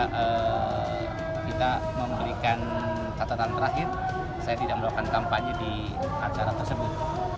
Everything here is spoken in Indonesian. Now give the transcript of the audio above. kita memberikan kata kata terakhir saya tidak melakukan kampanye di acara tersebut